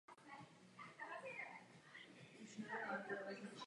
Angažoval se v Československém svazu mládeže.